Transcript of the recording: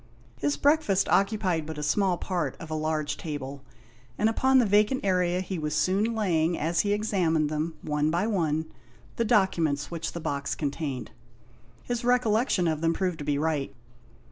His breakfast occupied but a small part of a large table, and upon the vacant area he was soon laying, as he examined them, one by one, 140 THE INDIAN LAMP SHADE. the documents which the box contained. His recollection of them proved to be right.